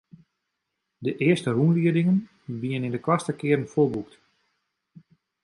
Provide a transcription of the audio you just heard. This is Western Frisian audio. De earste rûnliedingen wiene yn de koartste kearen folboekt.